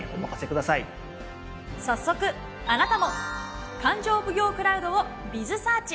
早速あなたも勘定奉行クラウドをｂｉｚｓｅａｒｃｈ。